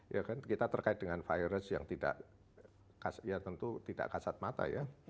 ya kan kita terkait dengan virus yang tidak ya tentu tidak kasat mata ya